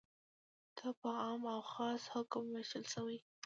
دا په عام او خاص حکم ویشل شوی.